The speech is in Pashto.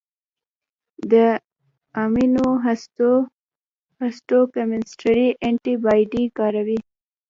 د ایمونوهیسټوکیمسټري انټي باډي کاروي.